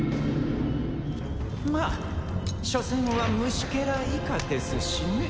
まあしょせんは虫けら以下ですしね。